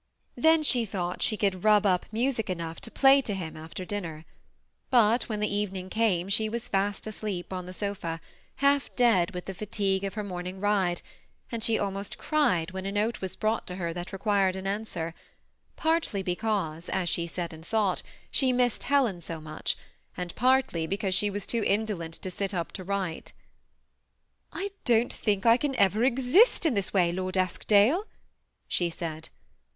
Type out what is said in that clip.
Then she thought she could rub up. music enough to play to him after din ner ; but when the evening came she was fast asleep on the sofa, half dead with the fatigue of her morning ride, and she almost cried when a note was brought to her that required an answer, — partly because, as she said and thought, she missed Helen so much, and partly because she was too indolent to sit up to write. ^^ I don't think I can ever exist in this way, Lord Eskdale," she said.